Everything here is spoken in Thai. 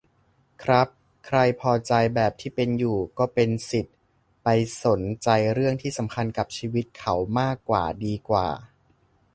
ครับ ใครพอใจแบบที่เป็นอยู่ ก็เป็นสิทธิ์ ไปสนใจเรื่องที่สำคัญกับชีวิตเขามากกว่าดีกว่า